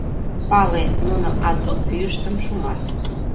Пале: нуно азу пӱйыштым шумат.